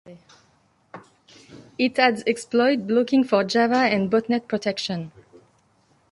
It adds exploit blocking for Java and botnet protection.